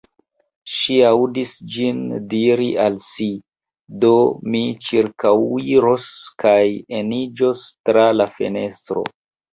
Ŝi aŭdis ĝin diri al si: Do, mi ĉirkaŭiros kaj eniĝos tra la fenestro.